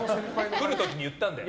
来る時に言ったんだよ。